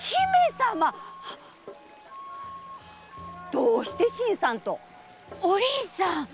どうして新さんと⁉お凛さん！